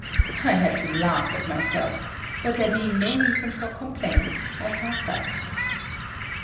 I had to laugh at myself, but there being no reason for complaint, I passed out.